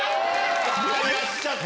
やっちゃった。